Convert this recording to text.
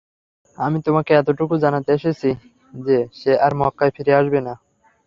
আমি তোমাকে এতটুকু জানাতে এসেছি যে, সে আর মক্কায় ফিরে আসবে না।